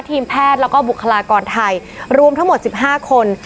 ทีมแพทย์แล้วก็บุคลากรไทยรวมทั้งหมด๑๕คน